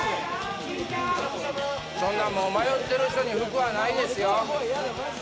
そんなもう迷ってる人に福はないですよ